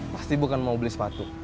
pasti bukan mau beli sepatu